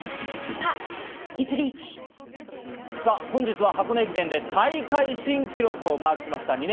本日は箱根駅伝で大会新記録をマークしました。